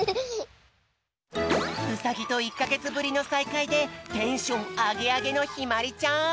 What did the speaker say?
ウサギと１かげつぶりのさいかいでテンションアゲアゲのひまりちゃん。